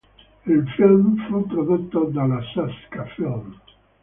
Il film fu prodotto dalla Sascha-Film.